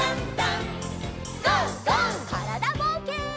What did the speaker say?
からだぼうけん。